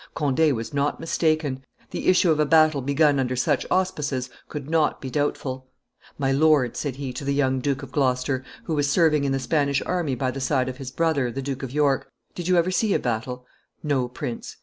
Conde was not mistaken: the issue of a battle begun under such auspices could not be doubtful. 'My lord,' said he to the young Duke of Gloucester, who was serving in the Spanish army by the side of his brother, the Duke of York, 'did you ever see a battle?' 'No, prince.